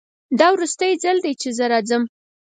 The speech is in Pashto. دا وروستی ځل ده چې زه راځم